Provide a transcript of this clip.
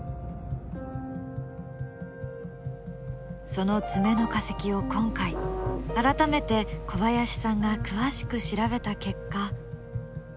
その爪の化石を今回改めて小林さんが詳しく調べた結果。